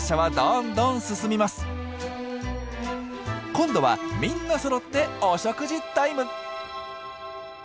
今度はみんなそろってお食事タイム。